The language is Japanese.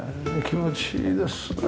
気持ちいいですね。